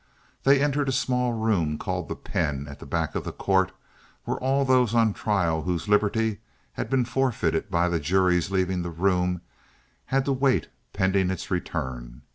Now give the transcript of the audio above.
They entered a small room called the pen at the back of the court, where all those on trial whose liberty had been forfeited by the jury's leaving the room had to wait pending its return.